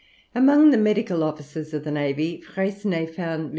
Among the medical officers of the navy, Freycinet found MM.